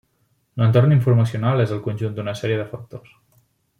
L’entorn informacional és el conjunt d’una sèrie de factors.